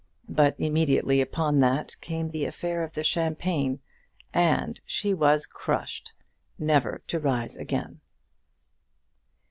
But immediately upon that came the affair of the champagne, and she was crushed, never to rise again.